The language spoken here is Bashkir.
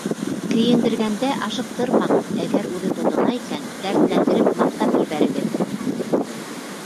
Кейендергәндә ашыҡтырмағыҙ, әгәр үҙе тотона икән, дәртләндереп, маҡтап ебәрегеҙ.